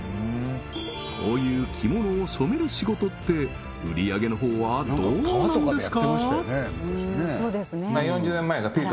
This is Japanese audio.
こういう着物を染める仕事って売り上げのほうはどうなんですか？